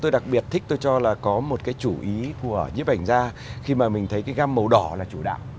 tôi đặc biệt thích tôi cho là có một cái chủ ý của nhiếp ảnh gia khi mà mình thấy cái gam màu đỏ là chủ đạo